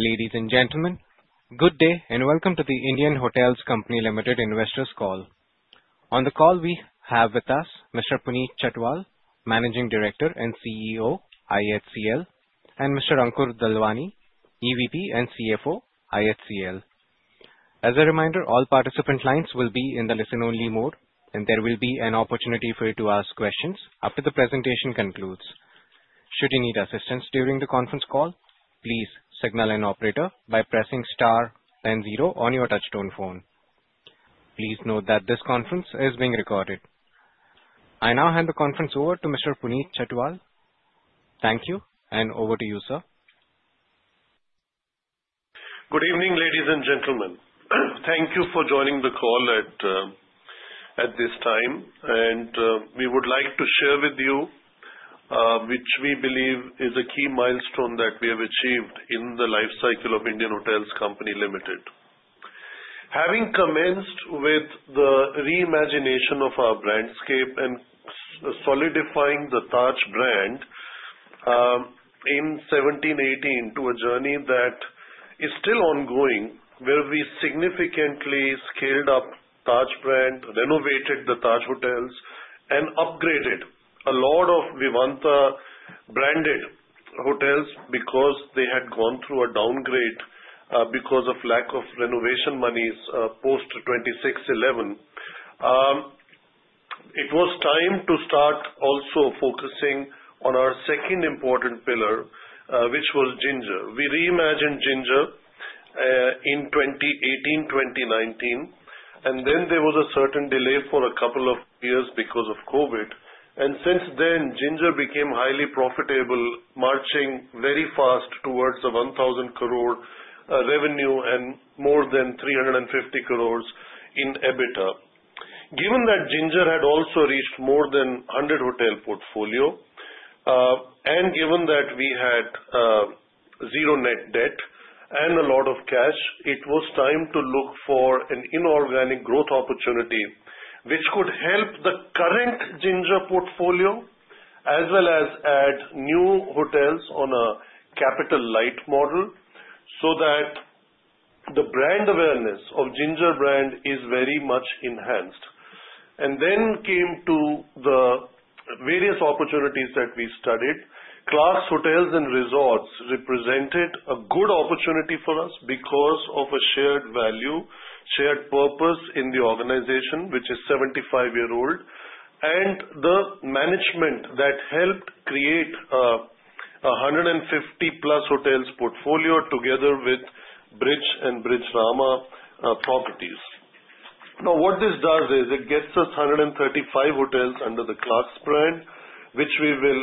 Ladies and gentlemen, good day and welcome to the Indian Hotels Company Limited Investors Call. On the call we have with us Mr. Puneet Chhatwal, Managing Director and CEO IHCL, and Mr. Ankur Dalwani, EVP and CFO IHCL. As a reminder, all participant lines will be in the listen-only mode, and there will be an opportunity for you to ask questions after the presentation concludes. Should you need assistance during the conference call, please signal an operator by pressing *10 on your touchtone phone. Please note that this conference is being recorded. I now hand the conference over to Mr. Puneet Chhatwal. Thank you, and over to you, sir. Good evening, ladies and gentlemen. Thank you for joining the call at this time, and we would like to share with you what we believe is a key milestone that we have achieved in the lifecycle of Indian Hotels Company Limited. Having commenced with the reimagination of our brand scape and solidifying the Taj brand in 2017-2018 to a journey that is still ongoing, where we significantly scaled up the Taj brand, renovated the Taj hotels, and upgraded a lot of Vivanta-branded hotels because they had gone through a downgrade because of lack of renovation monies post 26/11. It was time to start also focusing on our second important pillar, which was Ginger. We reimagined Ginger in 2018-2019, and then there was a certain delay for a couple of years because of COVID, and since then, Ginger became highly profitable, marching very fast towards the 1,000 crore revenue and more than 350 crores in EBITDA. Given that Ginger had also reached more than 100 hotel portfolios, and given that we had zero net debt and a lot of cash, it was time to look for an inorganic growth opportunity which could help the current Ginger portfolio as well as add new hotels on a capital light model so that the brand awareness of the Ginger brand is very much enhanced. There came the various opportunities that we studied. Clarks hotels and resorts represented a good opportunity for us because of a shared value, shared purpose in the organization, which is 75 years old, and the management that helped create a 150-plus hotels portfolio together with Pride and Pride Rama properties. Now, what this does is it gets us 135 hotels under the Clarks brand, which we will,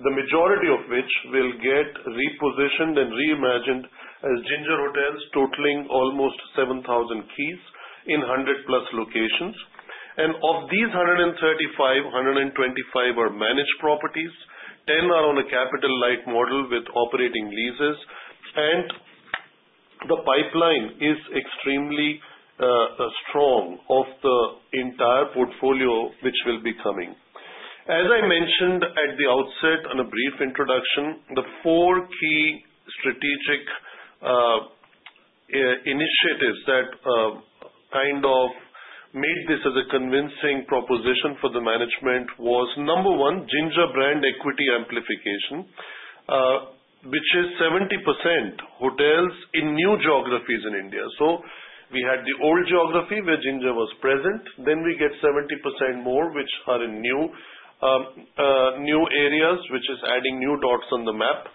the majority of which, will get repositioned and reimagined as Ginger hotels, totaling almost 7,000 keys in 100-plus locations. Of these 135, 125 are managed properties, 10 are on a capital light model with operating leases. Hence, the pipeline is extremely strong of the entire portfolio which will be coming. As I mentioned at the outset in a brief introduction, the four key strategic initiatives that kind of made this as a convincing proposition for the management was, number one, Ginger brand equity amplification, which is 70% hotels in new geographies in India. We had the old geography where Ginger was present. We get 70% more, which are in new areas, which is adding new dots on the map.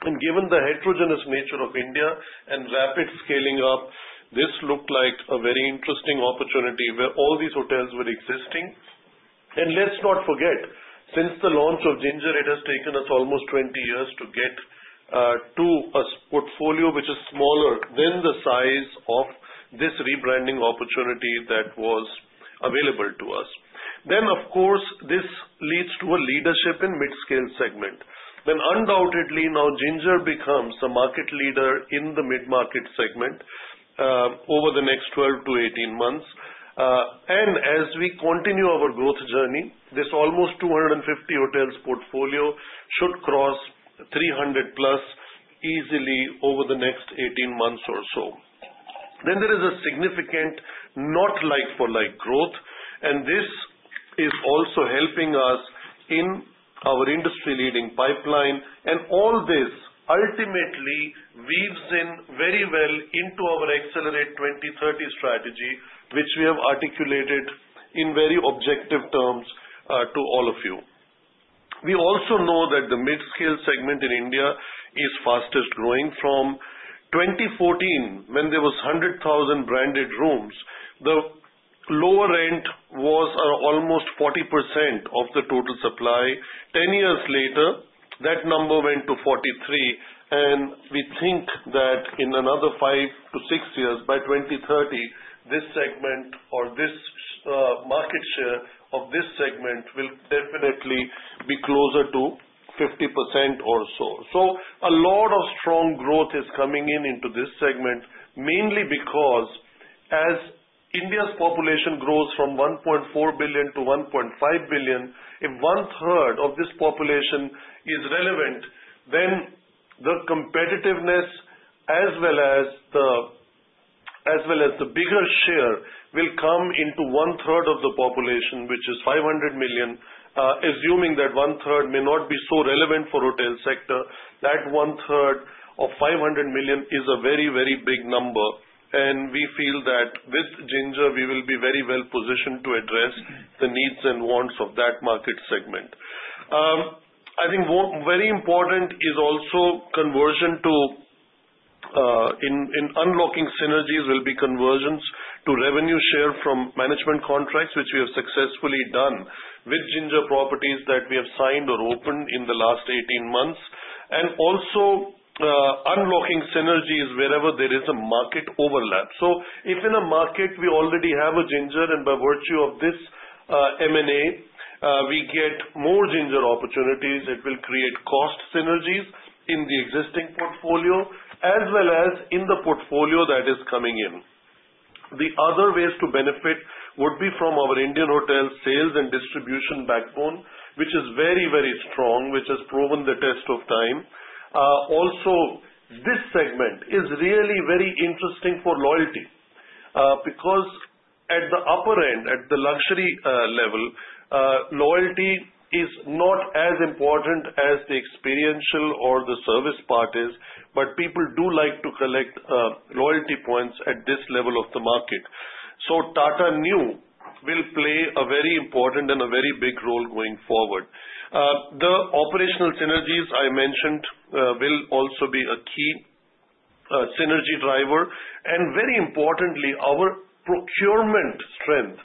Given the heterogeneous nature of India and rapid scaling up, this looked like a very interesting opportunity where all these hotels were existing. Let's not forget, since the launch of Ginger, it has taken us almost 20 years to get to a portfolio which is smaller than the size of this rebranding opportunity that was available to us. This leads to a leadership in the mid-scale segment. Undoubtedly, now Ginger becomes the market leader in the mid-market segment over the next 12 to 18 months. As we continue our growth journey, this almost 250 hotels portfolio should cross 300-plus easily over the next 18 months or so. There is a significant north-like-for-like growth, and this is also helping us in our industry-leading pipeline. All this ultimately weaves in very well into our Xcelerate 2030 strategy, which we have articulated in very objective terms to all of you. We also know that the mid-scale segment in India is fastest growing. From 2014, when there were 100,000 branded rooms, the lower end was almost 40% of the total supply. Ten years later, that number went to 43%, and we think that in another five to six years, by 2030, this segment or this market share of this segment will definitely be closer to 50% or so. A lot of strong growth is coming into this segment, mainly because as India's population grows from 1.4 billion to 1.5 billion, if one-third of this population is relevant, then the competitiveness as well as the bigger share will come into one-third of the population, which is 500 million. Assuming that one-third may not be so relevant for the hotel sector, that one-third of 500 million is a very, very big number. We feel that with Ginger, we will be very well positioned to address the needs and wants of that market segment. I think very important is also conversion to unlocking synergies will be conversions to revenue share from management contracts, which we have successfully done with Ginger properties that we have signed or opened in the last 18 months, and also unlocking synergies wherever there is a market overlap. If in a market we already have a Ginger, and by virtue of this M&A, we get more Ginger opportunities, it will create cost synergies in the existing portfolio as well as in the portfolio that is coming in. The other ways to benefit would be from our Indian Hotels sales and distribution backbone, which is very, very strong, which has proven the test of time. Also, this segment is really very interesting for loyalty because at the upper end, at the luxury level, loyalty is not as important as the experiential or the service part is, but people do like to collect loyalty points at this level of the market. Tata Neu will play a very important and a very big role going forward. The operational synergies I mentioned will also be a key synergy driver. Very importantly, our procurement strength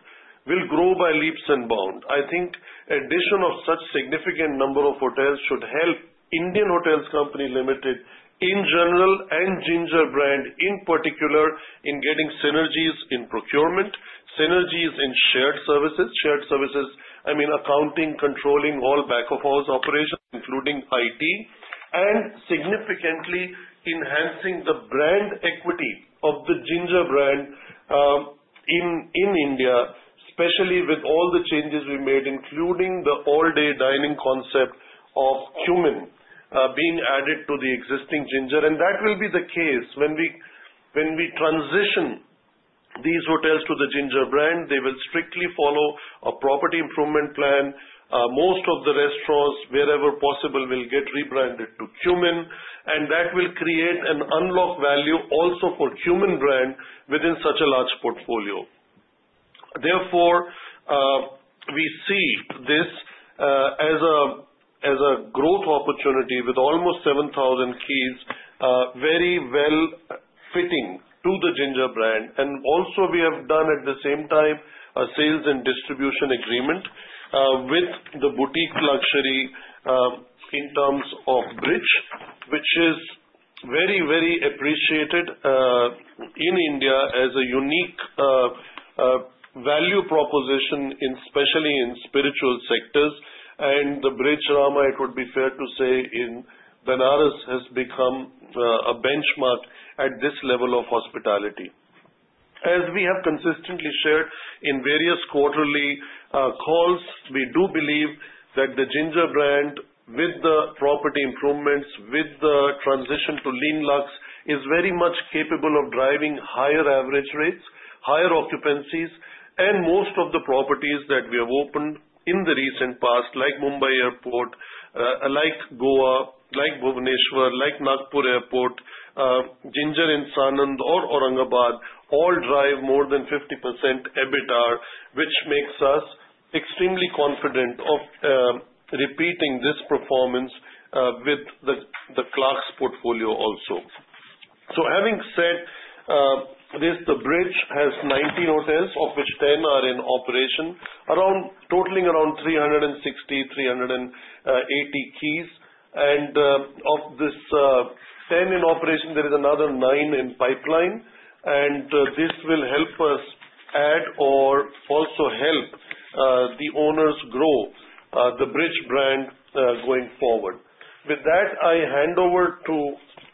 will grow by leaps and bounds. I think the addition of such a significant number of hotels should help The Indian Hotels Company Limited in general and the Ginger brand in particular in getting synergies in procurement, synergies in shared services. Shared services, I mean accounting, controlling, all back-of-office operations, including IT, and significantly enhancing the brand equity of the Ginger brand in India, especially with all the changes we made, including the all-day dining concept of Qmin being added to the existing Ginger. That will be the case when we transition these hotels to the Ginger brand. They will strictly follow a property improvement plan. Most of the restaurants, wherever possible, will get rebranded to Qmin, and that will create an unlocked value also for the Qmin brand within such a large portfolio. Therefore, we see this as a growth opportunity with almost 7,000 keys, very well fitting to the Ginger brand. We have done at the same time a sales and distribution agreement with the boutique luxury in terms of SeleQtions, which is very, very appreciated in India as a unique value proposition, especially in spiritual sectors. The SeleQtions Ramada, it would be fair to say, in Benares has become a benchmark at this level of hospitality. As we have consistently shared in various quarterly calls, we do believe that the Ginger brand, with the property improvements, with the transition to lean luxe, is very much capable of driving higher average rates, higher occupancies, and most of the properties that we have opened in the recent past, like Mumbai Airport, like Goa, like Bhubaneswar, like Nagpur Airport, Ginger in Sanand or Aurangabad, all drive more than 50% EBITDA, which makes us extremely confident of repeating this performance with the Clarks portfolio also. Having said this, SeleQtions has 19 hotels, of which 10 are in operation, totaling around 360, 380 keys. Of this 10 in operation, there is another 9 in pipeline. This will help us add or also help the owners grow the Ginger brand going forward. With that, I hand over to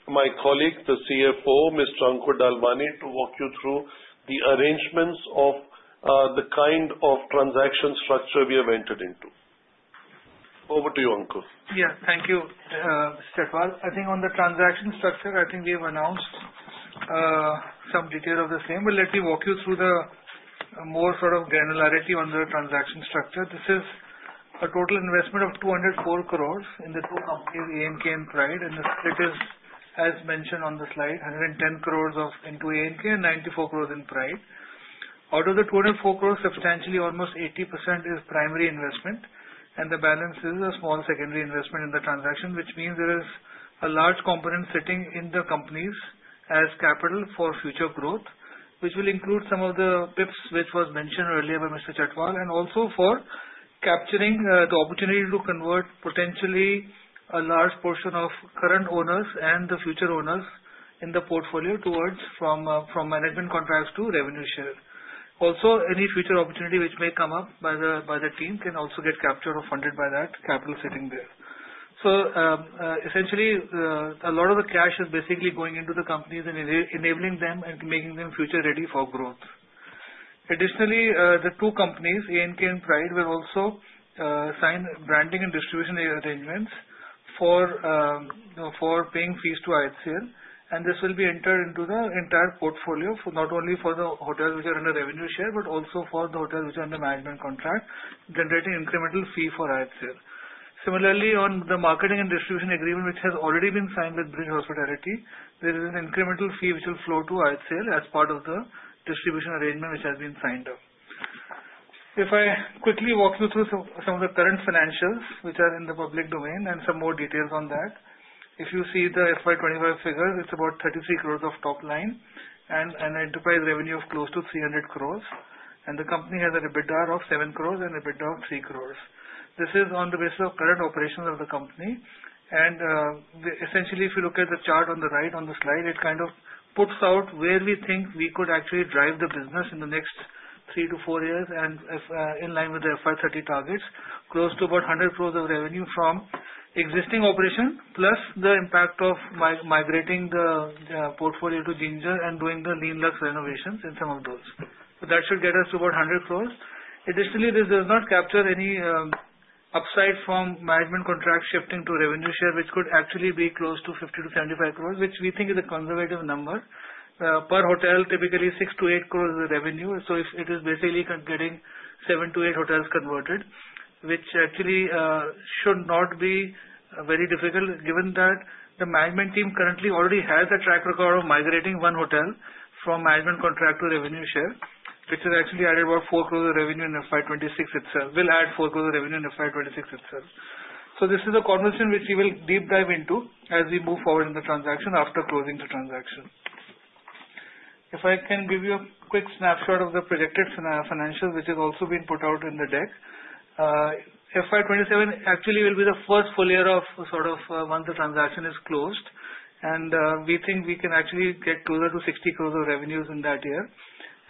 my colleague, the CFO, Mr. Ankur Dalwani, to walk you through the arrangements of the kind of transaction structure we have entered into. Over to you, Ankur. Yeah, thank you, Stefan. I think on the transaction structure, I think we have announced some detail of the same. Let me walk you through the more sort of generalities on the transaction structure. This is a total investment of 204 crore in the two companies, A&K and Pride, and it is, as mentioned on the slide, 110 crore into A&K and 94 crore in Pride. Out of the 204 crore, substantially, almost 80% is primary investment, and the balance is a small secondary investment in the transaction, which means there is a large component sitting in the companies as capital for future growth, which will include some of the PIPs, which was mentioned earlier by Mr. Chhatwal, and also for capturing the opportunity to convert potentially a large portion of current owners and the future owners in the portfolio towards from management contracts to revenue share. Also, any future opportunity which may come up by the team can also get captured or funded by that capital sitting there. Essentially, a lot of the cash is basically going into the companies and enabling them and making them future-ready for growth. Additionally, the two companies, A&K and Pride, will also sign branding and distribution arrangements for paying fees to IHCL, and this will be entered into the entire portfolio for not only the hotels which are under revenue share, but also for the hotels which are under management contract, generating an incremental fee for IHCL. Similarly, on the marketing and distribution agreement, which has already been signed with Bridge Hospitality, there is an incremental fee which will flow to IHCL as part of the distribution arrangement which has been signed up. If I quickly walk you through some of the current financials which are in the public domain and some more details on that, if you see the FY2025 figures, it's about 33 crore of top line and an enterprise revenue of close to 300 crore, and the company has an EBITDA of 7 crore and an EBITDA of 3 crore. This is on the basis of current operations of the company. If you look at the chart on the right on the slide, it kind of puts out where we think we could actually drive the business in the next three to four years, and in line with the FY 2030 targets, close to about 100 crore of revenue from existing operation plus the impact of migrating the portfolio to Ginger and doing the lean luxe renovations in some of those. That should get us to about 100 crore. Additionally, this does not capture any upside from management contracts shifting to revenue share, which could actually be close to 50 to 75 crore, which we think is a conservative number. Per hotel, typically 6 to 8 crore of revenue. It is basically getting 7 to 8 hotels converted, which actually should not be very difficult given that the management team currently already has a track record of migrating one hotel from management contract to revenue share, which has actually added about 4 crore of revenue in FY 2026 itself. We'll add 4 crore of revenue in FY 2026 itself. This is a conversation which we will deep dive into as we move forward in the transaction after closing the transaction. If I can give you a quick snapshot of the predictive financials, which has also been put out in the deck, FY 2027 actually will be the first full year of sort of once the transaction is closed, and we think we can actually get closer to 60 crore of revenues in that year.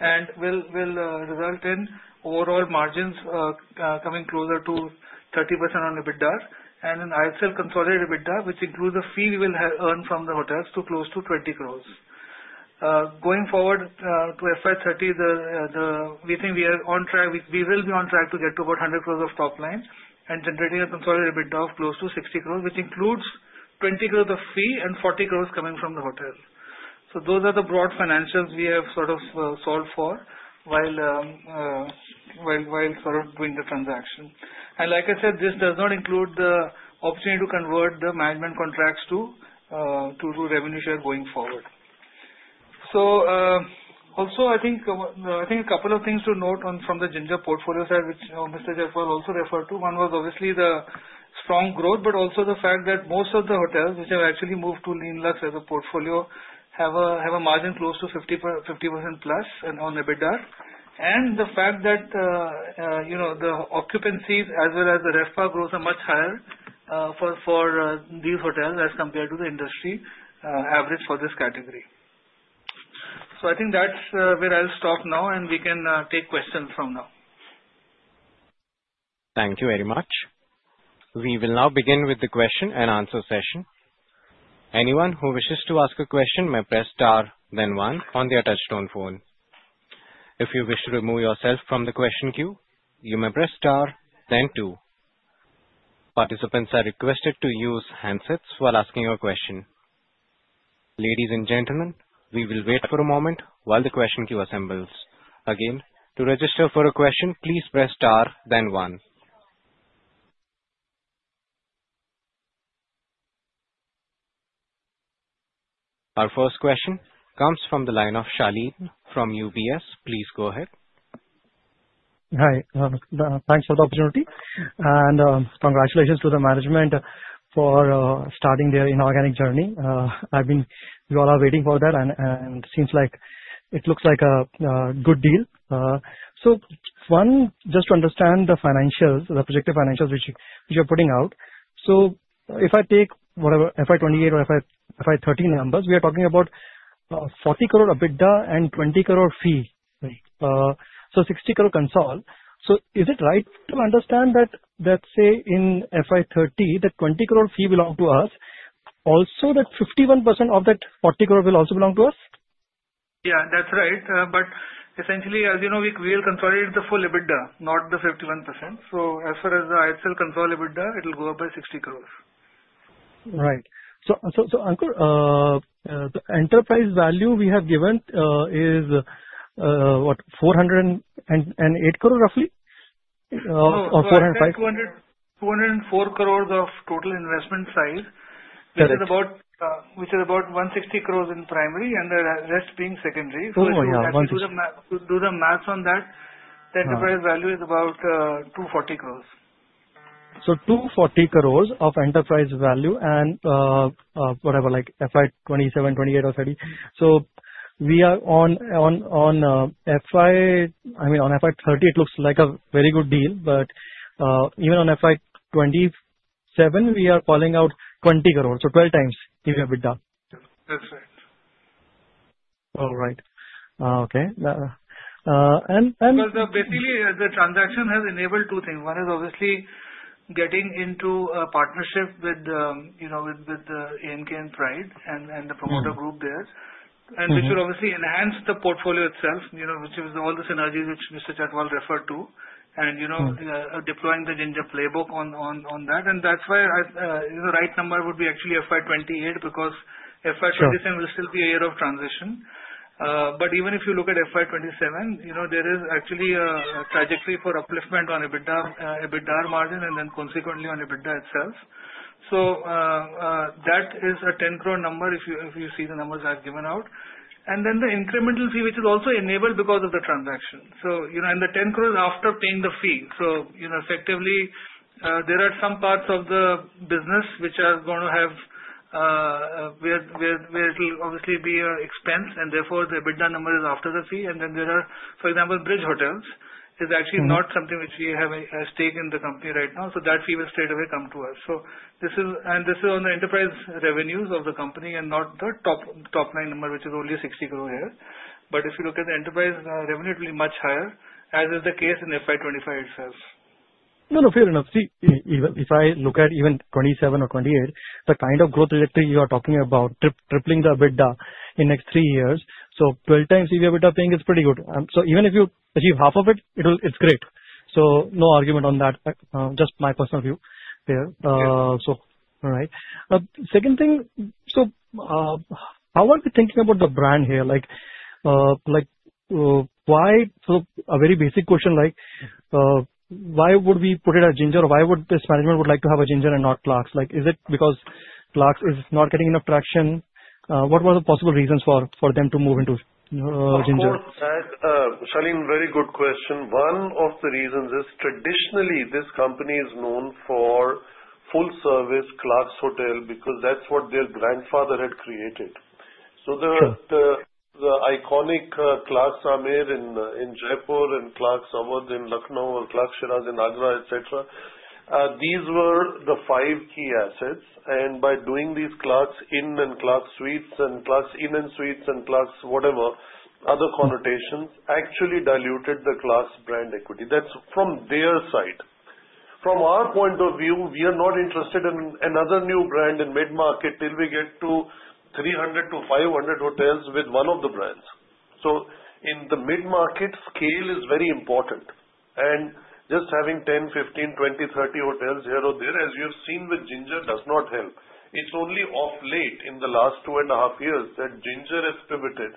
It will result in overall margins coming closer to 30% on EBITDA and an IHCL consolidated EBITDA, which includes the fee we will earn from the hotels to close to 20 crore. Going forward to FY 2030, we think we are on track. We will be on track to get to about 100 crore of top line and generating a consolidated EBITDA of close to 60 crore, which includes 20 crore of fee and 40 crore coming from the hotel. Those are the broad financials we have sort of solved for while sort of doing the transaction. Like I said, this does not include the opportunity to convert the management contracts to revenue share going forward. Also, I think a couple of things to note from the Ginger portfolio side, which Mr. Chhatwal also referred to. One was obviously the strong growth, but also the fact that most of the hotels which have actually moved to lean luxe as a portfolio have a margin close to 50% plus on EBITDA. The fact that the occupancy as well as the RevPAR growth are much higher for these hotels as compared to the industry average for this category. I think that's where I'll stop now, and we can take questions from now. Thank you very much. We will now begin with the question and answer session. Anyone who wishes to ask a question may press star, then one on their touchtone phone. If you wish to remove yourself from the question queue, you may press star, then two. Participants are requested to use handsets while asking your question. Ladies and gentlemen, we will wait for a moment while the question queue assembles. Again, to register for a question, please press star, then one. Our first question comes from the line of Shaleen from UBS. Please go ahead. Hi. Thanks for the opportunity. Congratulations to the management for starting their inorganic journey. I've been, you all are waiting for that, and it seems like it looks like a good deal. One, just to understand the financials, the projected financials which you're putting out. If I take whatever FY 2028 or FY 2030 numbers, we are talking about 40 crore EBITDA and 20 crore fee, right? 60 crore console. Is it right to understand that, let's say in FY 2030, the 20 crore fee belongs to us, also that 51% of that 40 crore will also belong to us? Yeah, that's right. Essentially, as you know, we will consolidate the full EBITDA, not the 51%. As far as the IHCL consolidated EBITDA, it'll go up by 60 crore. Right. Ankur, the enterprise value we have given is what, 408 crore roughly? Or 405? 204 crores of total investment size, which is about 160 crores in primary and the rest being secondary. If you do the maths on that, the enterprise value is about 240 crores. 240 crore of enterprise value and whatever, like FY 2027, FY 2028, or FY 2030. We are on FY 2030, it looks like a very good deal. Even on FY 2027, we are calling out 20 crore, so 12 times EV/EBITDA. That's right. All right. Okay. Basically, the transaction has enabled two things. One is obviously getting into a partnership with A&K and Pride and the promoter group there, which will obviously enhance the portfolio itself, you know, which is all the synergies which Mr. Chhatwal referred to, and deploying the Ginger playbook on that. That's why the right number would be actually FY 2028 because FY 2027 will still be a year of transition. Even if you look at FY 2027, there is actually a trajectory for upliftment on EBITDA margin and then consequently on EBITDA itself. That is a 10 crore number if you see the numbers I've given out, and then the incremental fee, which is also enabled because of the transaction. The 10 crores is after paying the fee. Effectively, there are some parts of the business which are going to have where it will obviously be an expense, and therefore, the EBITDA number is after the fee. For example, Bridge Hotels is actually not something which we have a stake in the company right now, so that fee will straight away come to us. This is on the enterprise revenues of the company and not the top line number, which is only a 60 crore here. If you look at the enterprise revenue, it will be much higher, as is the case in FY 2025 itself. No, no, fair enough. If I look at even 2027 or 2028, the kind of growth trajectory you are talking about, tripling the EBITDA in the next three years, so 12 times TV EBITDA paying is pretty good. Even if you achieve half of it, it's great. No argument on that. Just my personal view here. All right. The second thing, how are you thinking about the brand here? Like, why? A very basic question, like, why would we put it as Ginger? Why would this management like to have a Ginger and not Clarks? Is it because Clarks is not getting enough traction? What were the possible reasons for them to move into Ginger? Shaleen, very good question. One of the reasons is traditionally this company is known for full-service Clarks Hotel because that's what their grandfather had created. The iconic Clarks Amir in Jaipur and Clarks Sawad in Lucknow or Clarks Shiraz in Agra, these were the five key assets. By doing these Clarks Inn and Clarks Suites and Clarks Inn and Suites and Clarks whatever other connotations actually diluted the Clarks brand equity. That's from their side. From our point of view, we are not interested in another new brand in mid-market till we get to 300 to 500 hotels with one of the brands. In the mid-market, scale is very important. Just having 10, 15, 20, 30 hotels here or there, as you have seen with Ginger, does not help. It's only of late in the last two and a half years that Ginger has pivoted.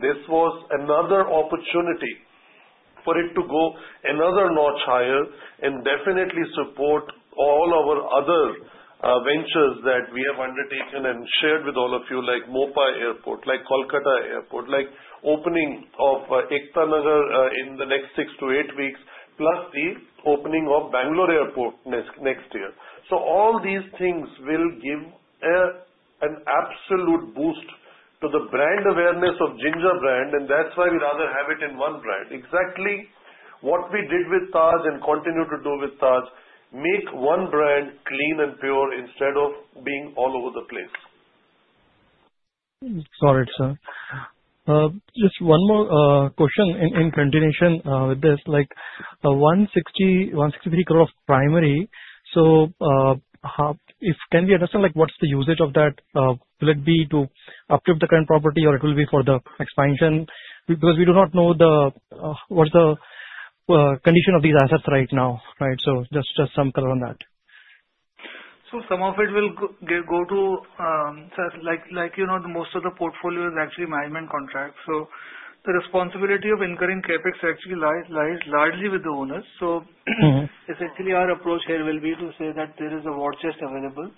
This was another opportunity for it to go another notch higher and definitely support all our other ventures that we have undertaken and shared with all of you, like Mopai Airport, like Kolkata Airport, like opening of Ikta Nagar in the next six to eight weeks, plus the opening of Bangalore Airport next year. All these things will give an absolute boost to the brand awareness of Ginger brand. That's why we'd rather have it in one brand. Exactly what we did with Taj and continue to do with Taj, make one brand clean and pure instead of being all over the place. Sorry, sir. Just one more question in continuation with this. Like 160, 163 crore of primary. Can we understand what's the usage of that? Will it be to upkeep the current property or will it be for the expansion? We do not know what the condition of these assets is right now, right? Just some color on that. Some of it will go to, sir, like you know, most of the portfolio is actually management contracts. The responsibility of incurring CapEx actually lies largely with the owners. Essentially, our approach there will be to say that there is a watch list available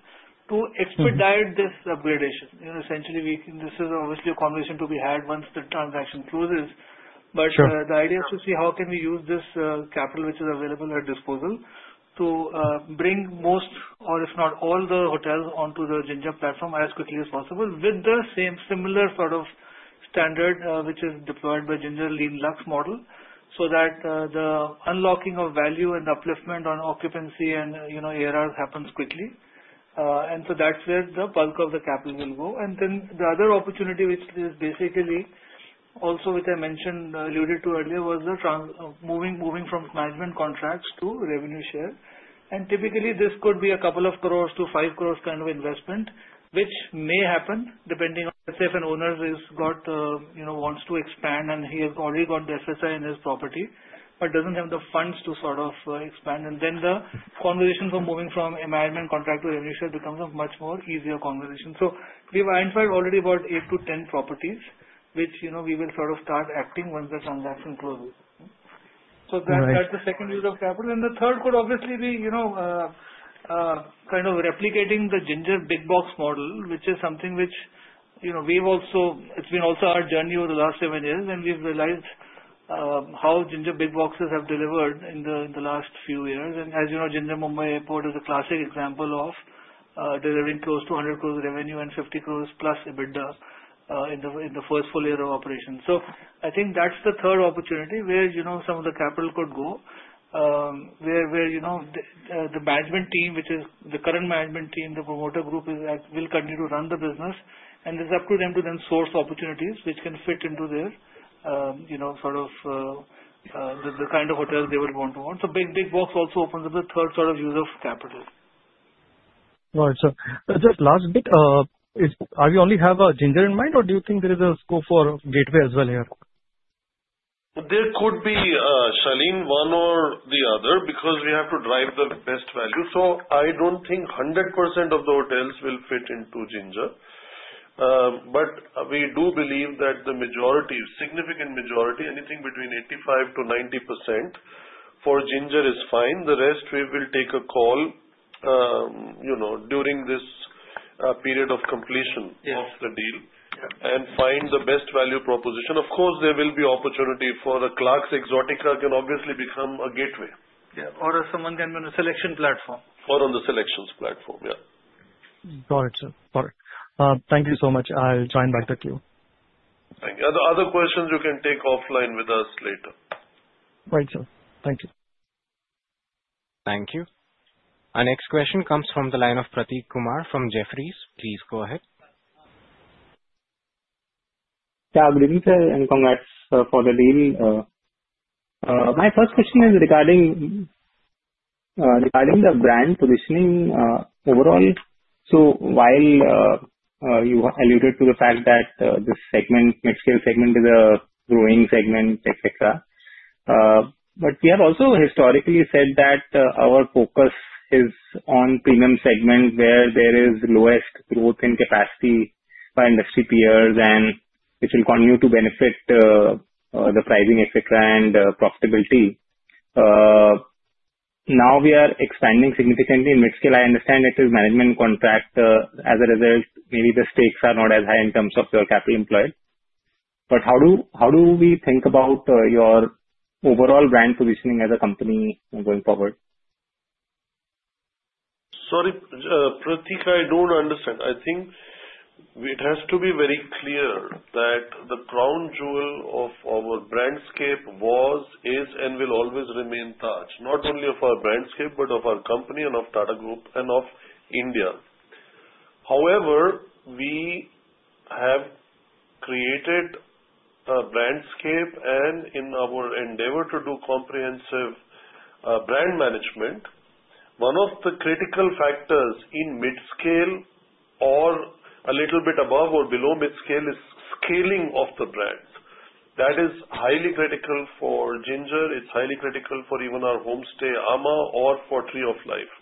to expedite this upgradation. This is obviously a conversation to be had once the transaction closes. The idea is to see how we can use this capital which is available at disposal to bring most or if not all the hotels onto the Ginger platform as quickly as possible with the same similar sort of standard which is deployed by the Ginger lean luxe model so that the unlocking of value and upliftment on occupancy and ARR happens quickly. That's where the bulk of the capital will go. The other opportunity, which is basically also what I mentioned, alluded to earlier, was the moving from management contracts to revenue share. Typically, this could be a couple of crores to 5 crore kind of investment, which may happen depending on if an owner wants to expand and he has already got the SSI in his property but doesn't have the funds to expand. The conversations of moving from a management contract to revenue share becomes a much more easier conversation. We've identified already about 8 to 10 properties, which we will start acting once the transaction closes. That's the second use of capital. The third could obviously be kind of replicating the Ginger big box model, which is something which has also been our journey over the last seven years, and we've realized how Ginger big boxes have delivered in the last few years. As you know, Ginger Mumbai Airport is a classic example of delivering close to 100 crore of revenue and 50 crore plus EBITDA in the first full year of operations. I think that's the third opportunity where some of the capital could go, where the management team, which is the current management team, the promoter group, will continue to run the business. It's up to them to then source opportunities which can fit into their sort of the kind of hotels they would want to own. Big box also opens up the third sort of use of capital. Got it, sir. Just last bit, do you only have a Ginger in mind, or do you think there is a scope for Gateway as well here? There could be, Shaleen, one or the other because we have to drive the best value. I don't think 100% of the hotels will fit into Ginger. We do believe that the majority, significant majority, anything between 85% to 90% for Ginger is fine. The rest, we will take a call during this period of completion of the deal and find the best value proposition. Of course, there will be opportunity for a Clarks exotic that can obviously become a Gateway. Yeah, or someone can be on a SeleQtions platform. On the SeleQtions platform, yeah. Got it, sir. Got it. Thank you so much. I'll join back the queue. Other questions, you can take offline with us later. Right, sir. Thank you. Thank you. Our next question comes from the line of Prateek Kumar from Jefferies. Please go ahead. Yeah, I'm Ankur Dalwani for the deal. My first question is regarding the brand positioning overall. While you alluded to the fact that this segment, next-year segment, is a growing segment, etc., we have also historically said that our focus is on the premium segment where there is the lowest growth in capacity by industry peers, which will continue to benefit the pricing, etc., and profitability. Now we are expanding significantly in mid-scale. I understand it is management contract. As a result, maybe the stakes are not as high in terms of your cap employed. How do we think about your overall brand positioning as a company going forward? Sorry, Prateek, I don't understand. I think it has to be very clear that the crown jewel of our brand scape was, is, and will always remain Taj, not only of our brand scape, but of our company and of Tata Group and of India. However, we have created a brand scape, and in our endeavor to do comprehensive brand management, one of the critical factors in mid-scale or a little bit above or below mid-scale is scaling of the brands. That is highly critical for Ginger. It's highly critical for even our homestay, amã, or for Tree of Life.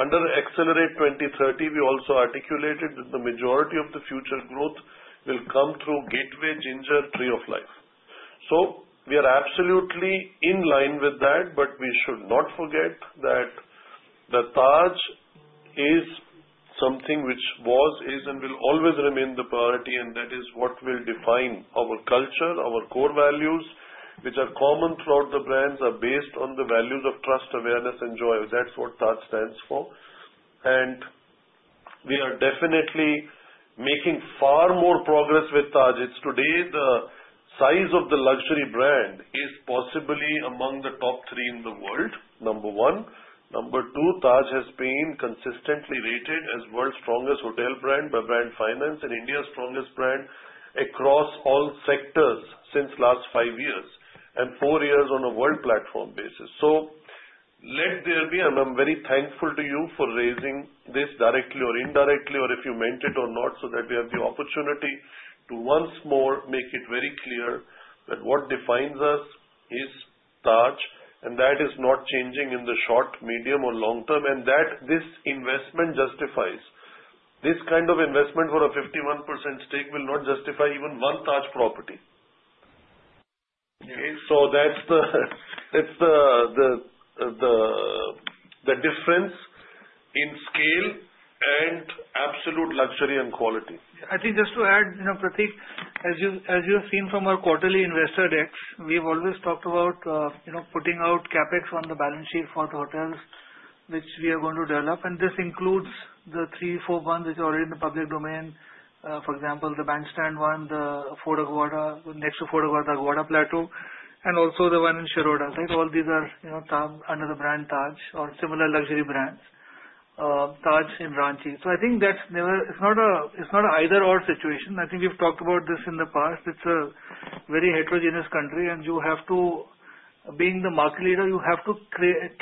Under Xcelerate 2030, we also articulated that the majority of the future growth will come through Gateway, Ginger, Tree of Life. We are absolutely in line with that, but we should not forget that the Taj is something which was, is, and will always remain the priority, and that is what will define our culture. Our core values, which are common throughout the brands, are based on the values of trust, awareness, and joy. That's what Taj stands for. We are definitely making far more progress with Taj. Today, the size of the luxury brand is possibly among the top three in the world, number one. Number two, Taj has been consistently rated as the world's strongest hotel brand by Brand Finance and India's strongest brand across all sectors since the last five years and four years on a world platform basis. Let there be, and I'm very thankful to you for raising this directly or indirectly, or if you meant it or not, so that we have the opportunity to once more make it very clear that what defines us is Taj, and that is not changing in the short, medium, or long term, and that this investment justifies. This kind of investment for a 51% stake will not justify even one Taj property. That's the difference in scale and absolute luxury and quality. Yeah, I think just to add, as you have seen from our quarterly investor decks, we've always talked about putting out CapEx on the balance sheet for the hotels which we are going to develop. This includes the three, four ones which are already in the public domain. For example, the Bandstand one, the next to Fort Aguada, Aguada Plateau, and also the one in Shiroda. All these are under the brand Taj or similar luxury brands, Taj and Ranchi. I think that's never, it's not an either/or situation. I think we've talked about this in the past. It's a very heterogeneous country, and you have to, being the market leader, you have to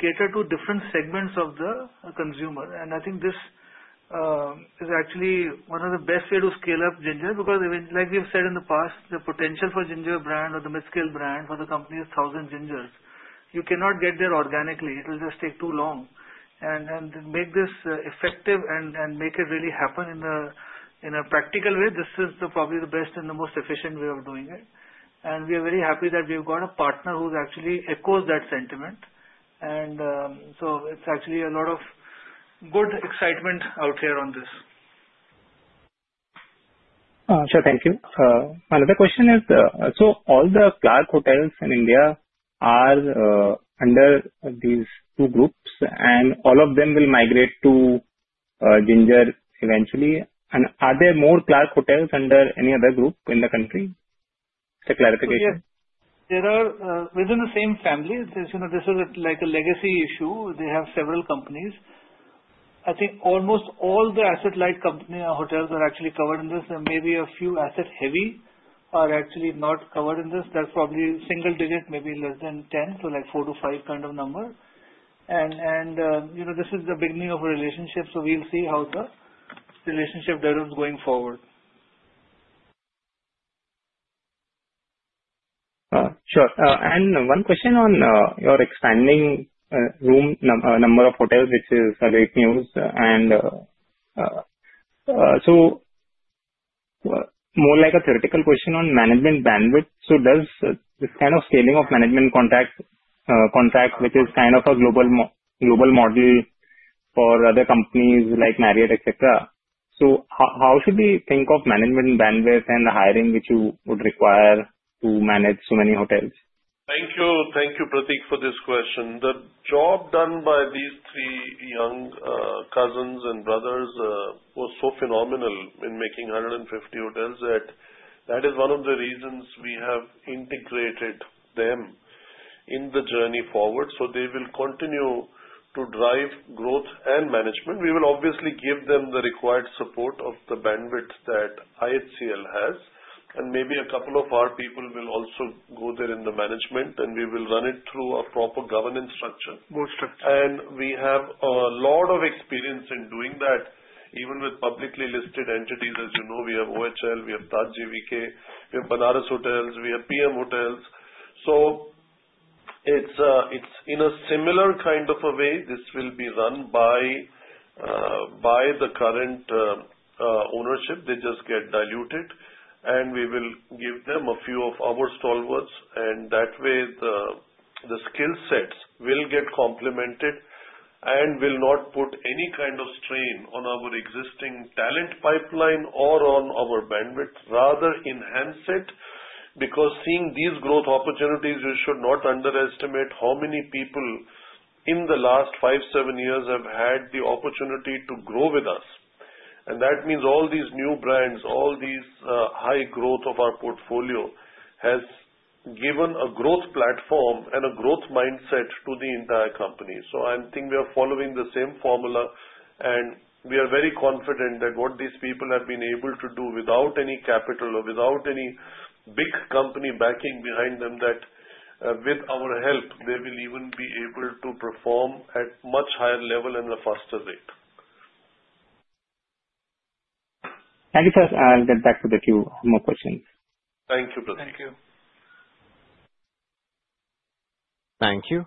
cater to different segments of the consumer. I think this is actually one of the best ways to scale up Ginger because, like we've said in the past, the potential for Ginger brand or the mid-scale brand for the company is 1,000 Gingers. You cannot get there organically. It'll just take too long. To make this effective and make it really happen in a practical way, this is probably the best and the most efficient way of doing it. We are very happy that we've got a partner who actually echoes that sentiment. It's actually a lot of good excitement out here on this. Thank you. My question is, all the Clarks hotels in India are under these two groups, and all of them will migrate to Ginger eventually. Are there more Clarks hotels under any other group in the country? Just a clarification. Yes, they are within the same family. This is like a legacy issue. They have several companies. I think almost all the asset-light hotels are actually covered in this, and maybe a few asset-heavy are actually not covered in this. That's probably single digit, maybe less than 10, so like four to five kind of number. This is the beginning of a relationship, so we'll see how the relationship develops going forward. Sure. One question on your expanding room number of hotels, which is great news. More like a theoretical question on management bandwidth. Does this kind of scaling of management contract, which is kind of a global model for other companies like Marriott, etc., how should we think of management bandwidth and the hiring which you would require to manage so many hotels? Thank you, Prateek, for this question. The job done by these three young cousins and brothers was so phenomenal in making 150 hotels that that is one of the reasons we have integrated them in the journey forward. They will continue to drive growth and management. We will obviously give them the required support of the bandwidth that IHCL has. Maybe a couple of our people will also go there in the management, and we will run it through a proper governance structure. We have a lot of experience in doing that, even with publicly listed entities. As you know, we have OHL, we have Taj GVK, we have Panaras Hotels, we have PM Hotels. In a similar kind of a way, this will be run by the current ownership. They just get diluted, and we will give them a few of our stalwarts. That way, the skill sets will get complemented and will not put any kind of strain on our existing talent pipeline or on our bandwidth, rather enhance it. Seeing these growth opportunities, you should not underestimate how many people in the last five, seven years have had the opportunity to grow with us. That means all these new brands, all this high growth of our portfolio has given a growth platform and a growth mindset to the entire company. I think we are following the same formula, and we are very confident that what these people have been able to do without any capital or without any big company backing behind them, that with our help, they will even be able to perform at a much higher level and a faster rate. Thank you, sir. I'll get back to the queue on more questions. Thank you, Prateek. Thank you. Thank you.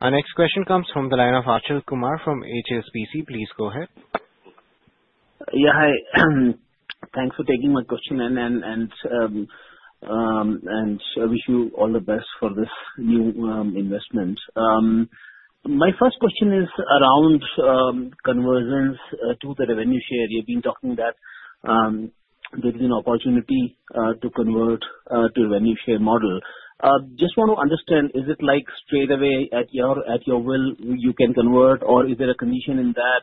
Our next question comes from the line of Achal Kumar from HSBC. Please go ahead. Yeah, hi. Thanks for taking my question, and I wish you all the best for this new investment. My first question is around conversions to the revenue share. You've been talking that there will be an opportunity to convert to a revenue share model. I just want to understand, is it like straight away at your will you can convert, or is there a condition in that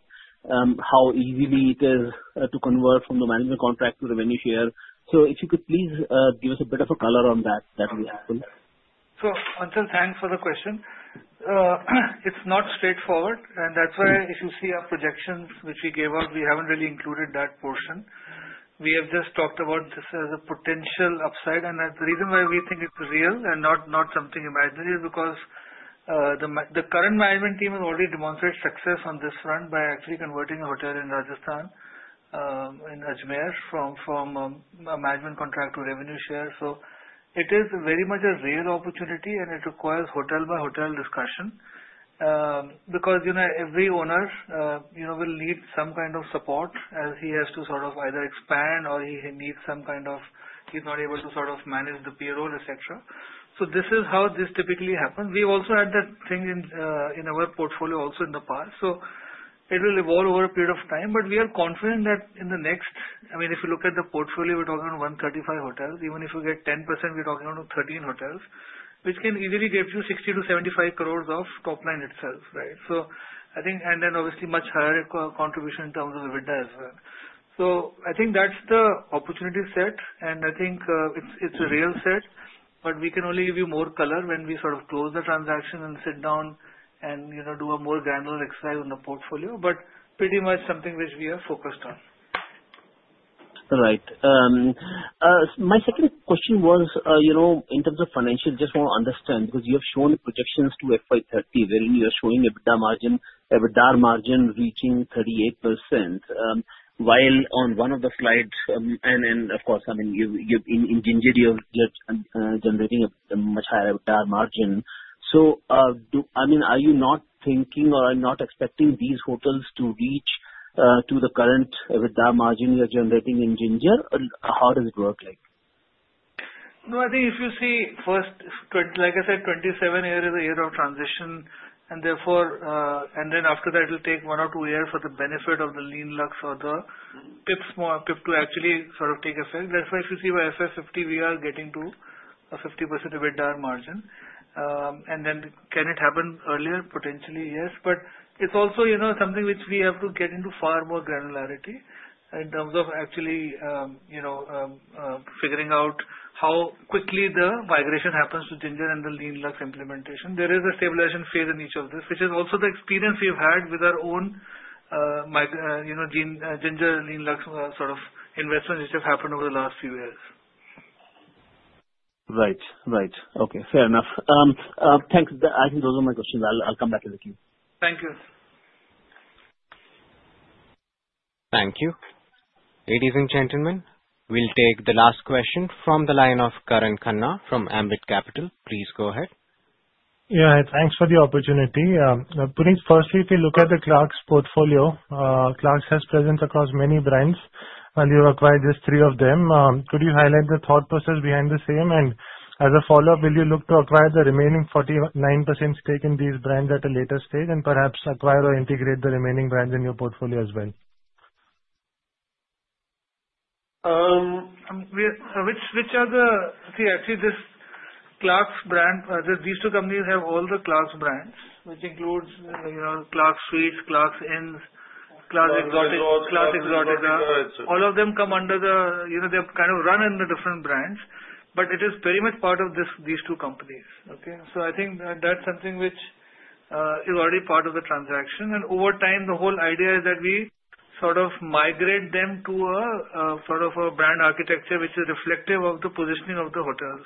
how easily it is to convert from the management contract to revenue share? If you could please give us a bit of a color on that, that would be helpful. Ankur, thanks for the question. It's not straightforward, and that's why if you see our projections, which we gave out, we haven't really included that portion. We have just talked about this as a potential upside. The reason why we think it's real and not something imaginary is because the current management team has already demonstrated success on this front by actually converting a hotel in Rajasthan, in Ajmer, from a management contract to revenue share. It is very much a real opportunity, and it requires hotel-by-hotel discussion because every owner will need some kind of support as he has to either expand or he's not able to manage the payroll, etc. This is how this typically happens. We've also had that in our portfolio in the past. It will evolve over a period of time, but we are confident that in the next, I mean, if you look at the portfolio, we're talking about 135 hotels. Even if we get 10%, we're talking about 13 hotels, which can easily give you 60 to 75 crore of top line itself, right? I think, and then obviously much higher contribution in terms of EBITDA as well. I think that's the opportunity set, and I think it's a real set, but we can only give you more color when we close the transaction and sit down and do a more granular exercise on the portfolio, but pretty much something which we are focused on. Right. My second question was, you know, in terms of financial, just want to understand because you have shown the projections to FY 2030 wherein you are showing EBITDA margin reaching 38%, while on one of the slides, and of course, I mean, you in Ginger, you're generating a much higher EBITDA margin. Are you not thinking or are you not expecting these hotels to reach to the current EBITDA margin you're generating in Ginger? How does it work like? No, I think if you see first, like I said, 2027 here is a year of transition, and therefore, after that, it'll take one or two years for the benefit of the lean luxe or the PIPs to actually sort of take effect. That's why if you see by FY 2050, we are getting to a 50% EBITDA margin. Can it happen earlier? Potentially, yes. It's also something which we have to get into far more granularity in terms of actually figuring out how quickly the migration happens to Ginger and the lean luxe implementation. There is a stabilization phase in each of this, which is also the experience we've had with our own Ginger lean luxe sort of investments, which have happened over the last few years. Right. Okay. Fair enough. Thanks. I think those are my questions. I'll come back to the queue. Thank you. Thank you. Ladies and gentlemen, we'll take the last question from the line of Karan Khanna from Ambit Capital. Please go ahead. Yeah, thanks for the opportunity. Please first, if you can look at the Clarks portfolio, Clarks has presence across many brands. You've acquired just three of them. Could you highlight the thought process behind the same? As a follow-up, will you look to acquire the remaining 49% stake in these brands at a later stage and perhaps acquire or integrate the remaining brands in your portfolio as well? See, actually, this Clarks brand, these two companies have all the Clarks brands, which includes, you know, Clarks Suites, Clarks Inns, Clarks Exotics. All of them come under the, you know, they're kind of run in the different brands, but it is very much part of these two companies. I think that's something which is already part of the transaction. Over time, the whole idea is that we sort of migrate them to a sort of a brand architecture, which is reflective of the positioning of the hotels,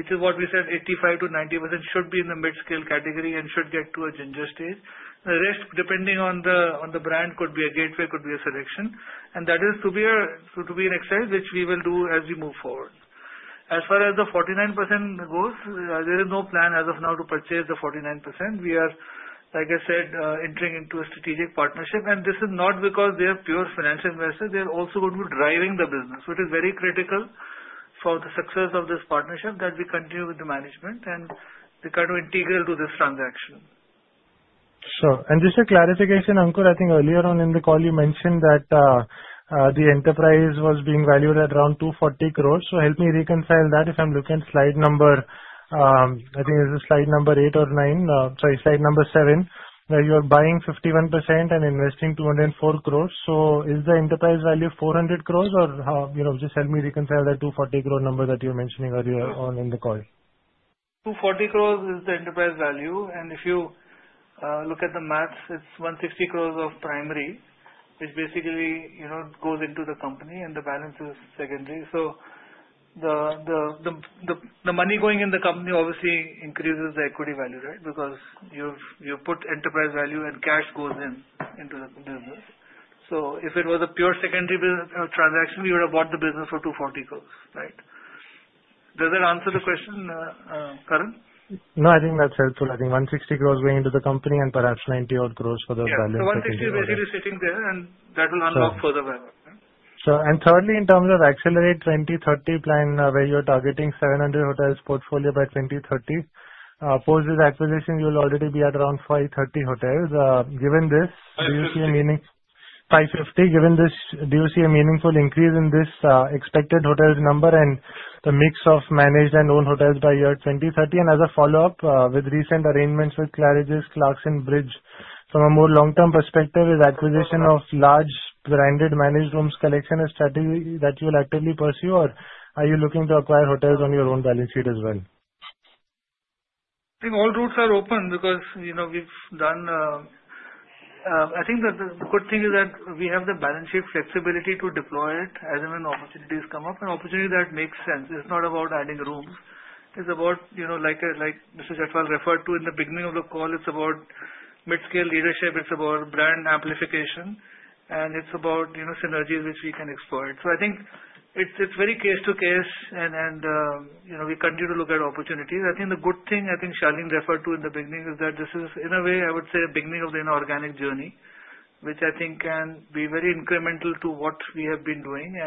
which is what we said 85% to 90% should be in the mid-scale category and should get to a Ginger stage. The rest, depending on the brand, could be a Gateway, could be a SeleQtions. That is to be an exercise which we will do as we move forward. As far as the 49% goes, there is no plan as of now to purchase the 49%. We are, like I said, entering into a strategic partnership. This is not because they are pure financial investors. They're also going to be driving the business, which is very critical for the success of this partnership that we continue with the management and we kind of integrate into this transaction. Sure. Just a clarification, Ankur, I think earlier on in the call, you mentioned that the enterprise was being valued at around 240 crore. Help me reconcile that. If I'm looking at slide number, I think is this slide number eight or nine? Sorry, slide number seven, where you're buying 51% and investing 204 crore. Is the enterprise value 400 crore or, you know, just help me reconcile that 240 crore number that you were mentioning earlier on in the call. 240 crore is the enterprise value. If you look at the maths, it's 150 crore of primary, which basically, you know, goes into the company, and the balance is secondary. The money going in the company obviously increases the equity value, right, because you've put enterprise value and cash goes into the business. If it was a pure secondary transaction, we would have bought the business for 240 crore, right? Does that answer the question, Karan? No, I think that's helpful. I think 160 crore going into the company and perhaps 90 crore for the balance. Yeah, 160 is basically sitting there, and that will unlock further value. Sure. Thirdly, in terms of the Xcelerate 2030 plan where you're targeting a 700 hotels portfolio by 2030, post this acquisition, you'll already be at around 530 hotels, meaning 550. Given this, do you see a meaningful increase in this expected hotel number and the mix of managed and owned hotels by year 2030? As a follow-up, with recent arrangements with Claridges, Clarks, and Bridge, from a more long-term perspective, is acquisition of large branded managed rooms collection a strategy that you will actively pursue, or are you looking to acquire hotels on your own balance sheet as well? I think all routes are open because, you know, we've done, I think the good thing is that we have the balance sheet flexibility to deploy it as and when opportunities come up. An opportunity that makes sense. It's not about adding rooms. It's about, you know, like Mr. Chhatwal referred to in the beginning of the call, it's about mid-scale leadership. It's about brand amplification. It's about, you know, synergies which we can exploit. I think it's very case to case, and, you know, we continue to look at opportunities. The good thing, I think, as Shaleen referred to in the beginning, is that this is, in a way, I would say, a beginning of the inorganic journey, which I think can be very incremental to what we have been doing.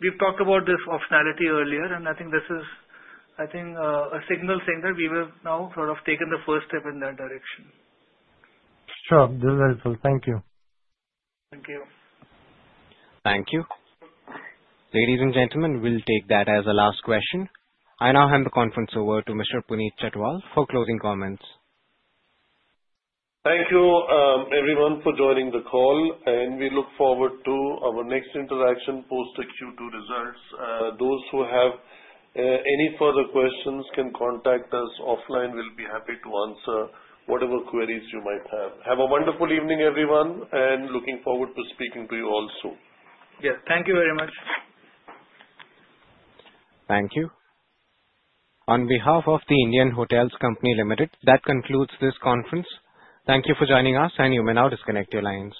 We've talked about this optionality earlier, and I think this is a signal saying that we will now sort of take the first step in that direction. Sure. This is very useful. Thank you. Thank you. Thank you. Ladies and gentlemen, we'll take that as the last question. I now hand the conference over to Mr. Puneet Chhatwal for closing comments. Thank you, everyone, for joining the call. We look forward to our next interaction post the Q2 results. Those who have any further questions can contact us offline. We'll be happy to answer whatever queries you might have. Have a wonderful evening, everyone, and looking forward to speaking to you all soon. Yeah, thank you very much. Thank you. On behalf of The Indian Hotels Company Limited, that concludes this conference. Thank you for joining us, and you may now disconnect your lines.